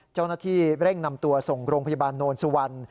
เจ้าหน้าที่เร่งนำตัวส่งโรงพยาบาลโนนสุวรรณ